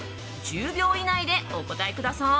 １０秒以内でお答えください。